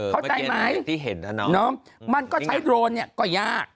เข้าใจไหมมันก็ใช้โดรนเนี่ยก็ยาก